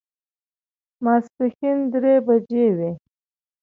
ماسپښین درې بجې وې.